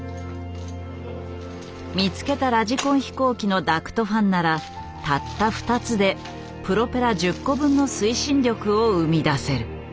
見つけたラジコン飛行機のダクトファンならたった２つでプロペラ１０個分の推進力を生み出せる。